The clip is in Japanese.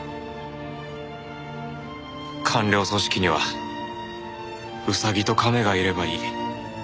官僚組織にはウサギとカメがいればいい。